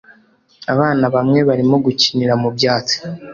Abana bamwe barimo gukinira mu byatsi